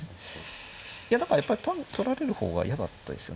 いやだからやっぱり単に取られる方が嫌だったですよ